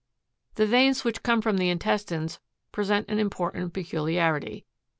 The veins which come from the intestines present an im portant peculiarity.